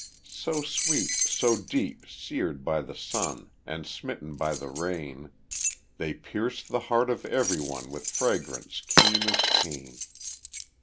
So sweet, so deep, seared by the sun, And smitten by the rain, They pierce the heart of every one With fragrance keen as pain.